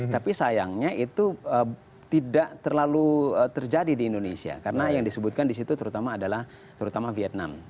tapi sayangnya itu tidak terlalu terjadi di indonesia karena yang disebutkan di situ terutama adalah terutama vietnam